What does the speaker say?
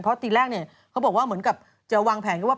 เพราะตีแรกเขาบอกว่าเหมือนกับจะวางแผน